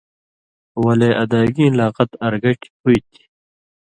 ولے ادائیگیں لاقَت اَرگٹیۡ ہُوئ تھی۔